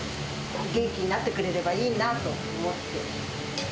元気になってくれればいいなと思って。